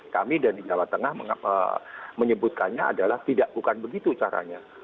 kami dan di jawa tengah menyebutkannya adalah tidak bukan begitu caranya